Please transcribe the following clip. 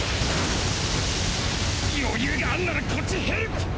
余裕があんならこっちヘルプ！